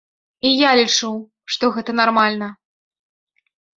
І я лічу, што гэта нармальна.